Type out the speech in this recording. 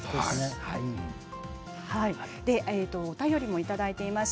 お便りもいただいています。